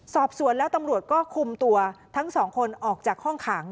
สอบสวนแล้วตำรวจก็คุมตัวทั้งสองคนออกจากห้องขัง